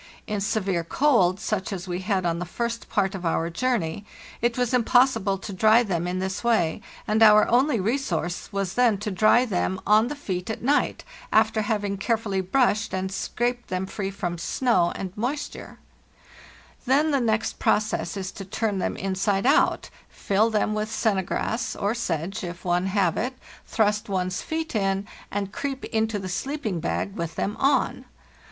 In severe cold, such as we had on the first part of our journey, it was impos sible to dry them in this way, and our only resource was then to dry them on the feet at night, after having carefully brushed and scraped them free from snow and WE MAKE A START 117 moisture. Then the next process is to turn them inside out, fill them with "sennegraes," or sedge, if one have it, thrust one's feet in, and creep into the sleeping bag with them on.